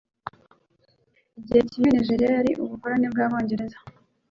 Igihe kimwe Nigeriya yari ubukoloni bwabongereza.